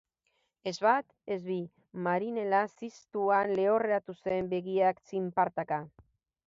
Ez bat, ez bi, marinela ziztuan lehorreratu zen, begiak txinpartaka.